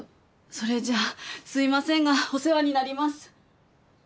それじゃあすいませんがお世話になります。